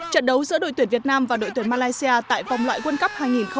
trận đấu giữa đội tuyển việt nam và đội tuyển malaysia tại vòng loại quân cấp hai nghìn hai mươi hai